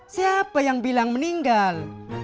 siapa yang bilang meninggal